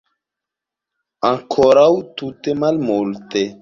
Ankoraŭ tute malmulte.